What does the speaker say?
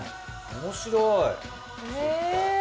おもしろい。